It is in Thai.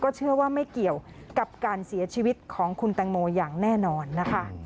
เชื่อว่าไม่เกี่ยวกับการเสียชีวิตของคุณแตงโมอย่างแน่นอนนะคะ